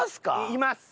います。